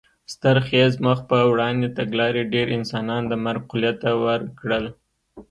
ستر خېز مخ په وړاندې تګلارې ډېر انسانان د مرګ خولې ته ور کړل.